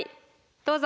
どうぞ。